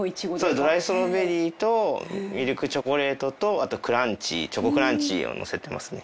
ドライストロベリーとミルクチョコレートとあとクランチチョコクランチをのせてますね。